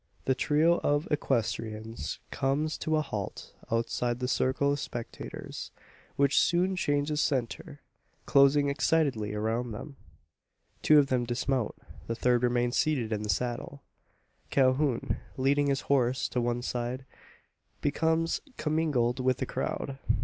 The trio of equestrians comes to a halt outside the circle of spectators; which soon changes centre, closing excitedly around them. Two of them dismount; the third remains seated in the saddle. Calhoun, leading his horse to one side, becomes commingled with the crowd.